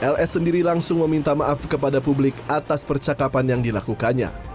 ls sendiri langsung meminta maaf kepada publik atas percakapan yang dilakukannya